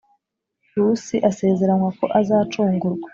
Rusi asezeranywa ko azacungurwa